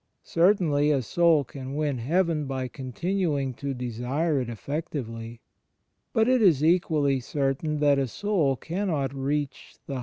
Certainly a soul can win heaven by continuing to desire it effectively; but it is equally certain that a soul cannot reach the highest ^ Luke xiv : lo.